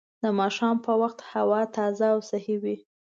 د ماښام په وخت هوا تازه او صحي وي